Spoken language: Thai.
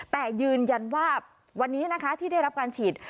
แต่ยืนยันว่าวันนี้นะคะที่ได้รับการฉีด